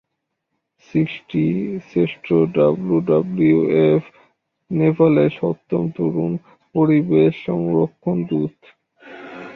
সৃষ্টি শ্রেষ্ঠ ডাব্লিউডাব্লিউএফ নেপালের সপ্তম তরুণ পরিবেশ সংরক্ষণ দূত।